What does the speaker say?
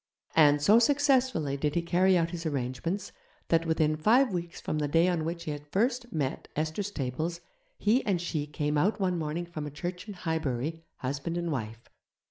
And, so successfully did he carry out his arrangements, that within five weeks from the day on which he had first met Esther Stables, he and she came out one morning from a church in Highbury, husband and wife.